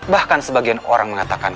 bahkan sebagian orang mengatakan